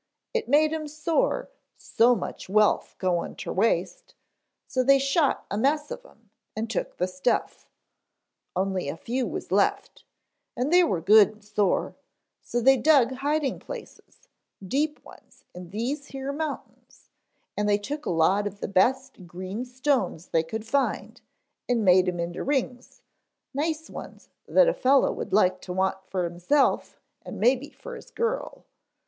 It made 'em sore so much wealth goin' ter waste, so they shot a mess of 'em and took the stuff. Only a few was left and they were good and sore, so they dug hiding places, deep ones in these here mountains, and they took a lot of the best green stones they could find and made 'em into rings nice ones that a fella would like to want fer himself en maybe fer his girl.